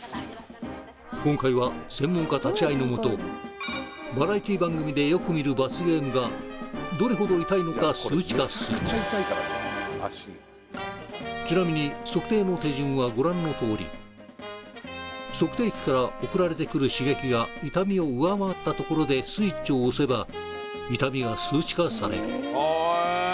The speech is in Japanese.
今回は専門家立ち会いのもとバラエティー番組でよく見る罰ゲームがどれほど痛いのか数値化するちなみに測定の手順はご覧のとおり測定器から送られてくる刺激が痛みを上回ったところでスイッチを押せば痛みが数値化される